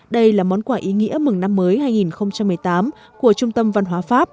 đây là món quà ý nghĩa mừng năm mới hai nghìn một mươi tám của trung tâm văn hóa pháp